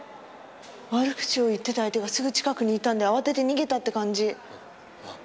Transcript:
悪口を言ってた相手がすぐ近くにいたんで慌てて逃げたって感じ。